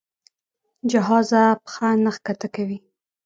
جهازه پښه نه ښکته کوي.